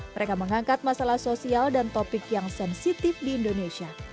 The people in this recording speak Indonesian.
mereka mengangkat masalah sosial dan topik yang sensitif di indonesia